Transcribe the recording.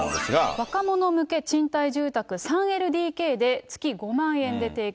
若者向け賃貸住宅３ＬＤＫで月５万円で提供。